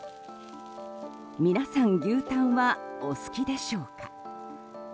皆さん牛タンはお好きでしょうか？